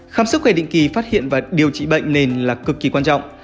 khám sức khỏe định kỳ phát hiện và điều trị bệnh nền là cực kỳ quan trọng